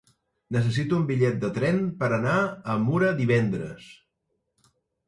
Necessito un bitllet de tren per anar a Mura divendres.